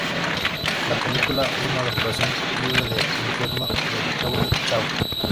La película es una adaptación libre de "El infierno" de Claude Chabrol.